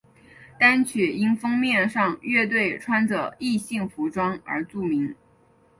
单曲因封面上乐队穿着异性服装而著名。